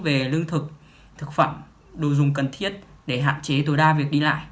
về lương thực thực phẩm đồ dùng cần thiết để hạn chế tối đa việc đi lại